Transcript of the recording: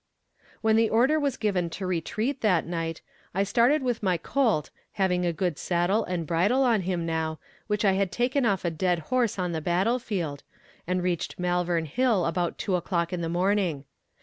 When the order was given to retreat that night, I started with my colt, having a good saddle and bridle on him now, which I had taken off a dead horse on the battle field, and reached Malvern Hill about two o'clock in the morning.